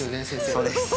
そうです。